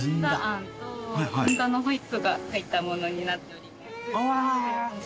餡とずんだのホイップが入ったものになっております。